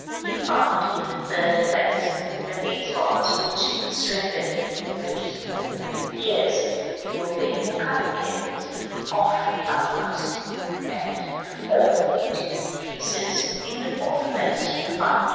You found, in the third place (§ VIII.), that these bars were to be strengthened, in order to support the main piers; you will therefore cut the ends off the uppermost, and the fourth into three pieces (as also at A). In the fourth place, you found (§ IX.)